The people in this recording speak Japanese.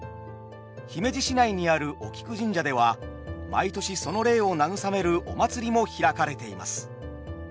姫路市内にあるお菊神社では毎年その霊を慰めるお祭りも開かれています。